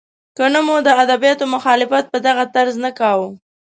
که نه مو د ادبیاتو مخالفت په دغسې طرز نه کاوه.